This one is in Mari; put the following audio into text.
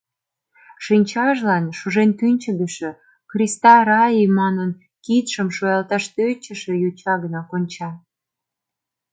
Шинчажлан шужен тӱнчыгышӧ, «криста райи» манын, кидшым шуялташ тӧчышӧ йоча гына конча.